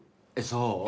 そう？